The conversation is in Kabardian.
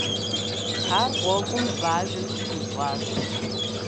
Ар гъуэгум бажэм щыӀущӀащ.